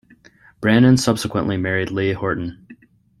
Branden subsequently married Leigh Horton.